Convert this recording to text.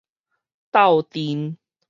鬥陣